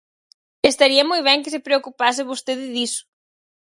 Estaría moi ben que se preocupase vostede diso.